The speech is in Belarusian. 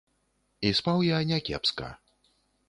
І спаў я някепска.